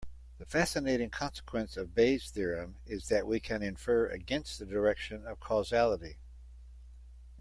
The fascinating consequence of Bayes' theorem is that we can infer against the direction of causality.